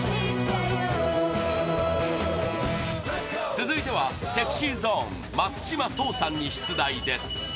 続いては、ＳｅｘｙＺｏｎｅ松島聡さんに出題です